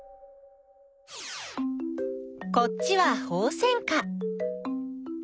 こっちはホウセンカ。